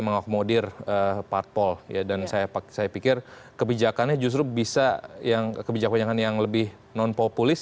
mengakmodir parpol ya dan saya pikir kebijakannya justru bisa yang kebijakannya yang lebih non populis